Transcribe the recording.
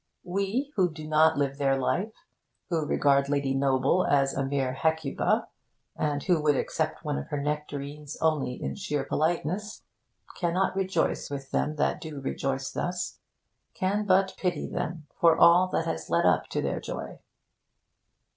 We, who do not live their life, who regard Lady Noble as a mere Hecuba, and who would accept one of her nectarines only in sheer politeness, cannot rejoice with them that do rejoice thus, can but pity them for all that has led up to their joy.